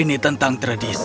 ini tentang tradisi